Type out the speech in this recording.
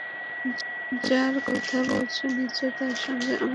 যাঁর কথা বলছ নিশ্চয়ই তাঁর সঙ্গে আমার সম্বন্ধ ঠিক হয়েই গেছে।